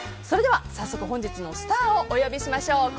それでは早速本日のスターをお呼びしましょう。